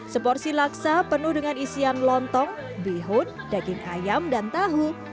seporsi laksa penuh dengan isian lontong bihun daging ayam dan tahu